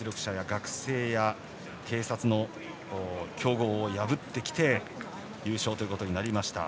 学生や警察の強豪を破って優勝ということになりました。